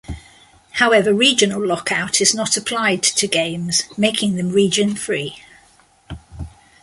However regional lockout is not applied to games, making them region-free.